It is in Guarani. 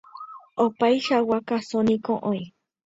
Opaichagua káso niko oĩ.